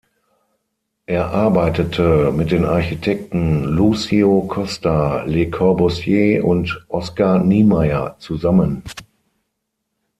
Er arbeitete mit den Architekten Lúcio Costa, Le Corbusier und Oscar Niemeyer zusammen.